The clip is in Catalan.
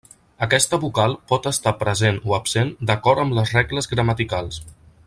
Aquesta vocal pot estar present o absent d'acord amb les regles gramaticals.